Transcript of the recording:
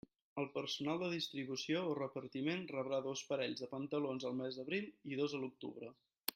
El personal de distribució o repartiment rebrà dos parells de pantalons al mes d'abril i dos a l'octubre.